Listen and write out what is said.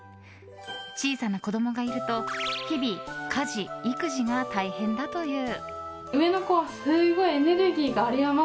小さな子供がいると日々、家事・育児が大変だという。